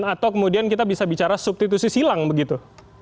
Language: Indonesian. atau kemudian kita bisa bicara substitusi silang begitu